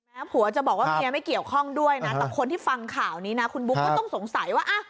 ผัวจะบอกว่าเมียไม่เกี่ยวข้องด้วยนะแต่คนที่ฟังข่าวนี้นะคุณบุ๊คก็ต้องสงสัยว่า